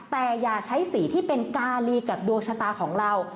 แต่อย่าใช้สีที่เป็นการีกับดวงชะตาของเรา